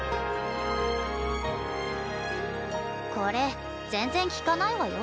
これ全然効かないわよ？